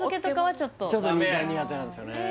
ちょっと苦手なんですよねえ